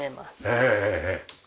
ええええええ。